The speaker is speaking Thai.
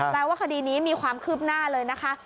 ว่าคดีนี้มีความคืบหน้าเลยนะคะ